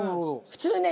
普通ね